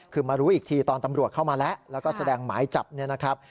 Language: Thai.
คือมารู้อีกทีตอนตำรวจเข้ามาแล้วแล้วก็แสดงหมายจับเนี่ยนะครับ